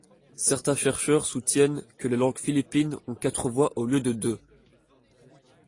Certains chercheurs soutiennent que les langues philippines ont quatre voix au lieu de deux.